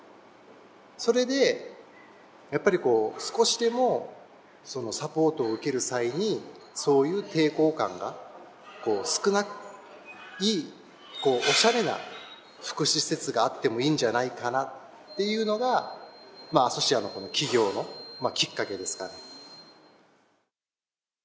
それでやっぱりこう少しでもそのサポートを受ける際にそういう抵抗感が少ないオシャレな福祉施設があってもいいんじゃないかなっていうのがアソシアのこの起業のきっかけですかね。